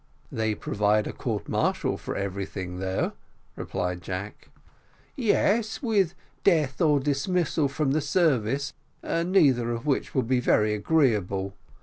"They provide a court martial for everything though," replied Jack. "Yes, with death or dismissal from the service neither of which would be very agreeable.